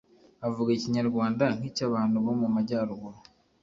avuga ikinyarwanda nk’icyabantu bo mu majyaruguru